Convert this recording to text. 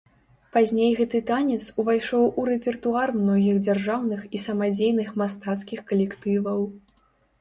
Пазней гэты танец увайшоў у рэпертуар многіх дзяржаўных і самадзейных мастацкіх калектываў.